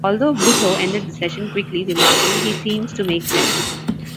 Although Bhutto ended the session quickly, remarking: "He seems to make sense".